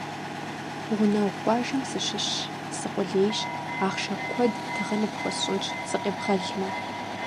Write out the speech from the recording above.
Гъунэгъу къуажэм сыщыщщ, сыкъулейщ, ахъшэ куэд тыгъэ ныпхуэсщӀынщ, сыкъебгъэлмэ!